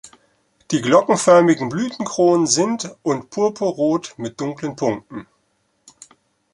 Die glockenförmigen Blütenkronen sind und purpurrot mit dunklen Punkten.